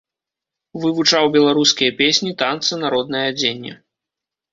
Вывучаў беларускія песні, танцы, народнае адзенне.